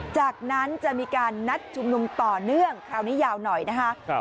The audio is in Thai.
จากนั้นจะมีการนัดชุมนุมต่อเนื่องคราวนี้ยาวหน่อยนะคะ